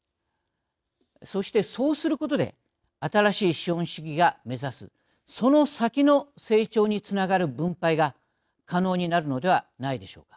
そして、そうすることで新しい資本主義が目指すその先の成長につながる分配が可能になるのではないでしょうか。